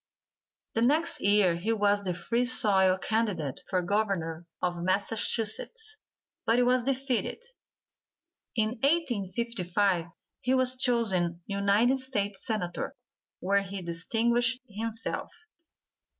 The next year he was the Free Soil candidate for Governor of Massachusetts, but was defeated. In 1855 he was chosen United States Senator, where he distinguished himself.